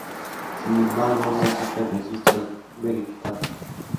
Sin embargo, no existen registros verificables.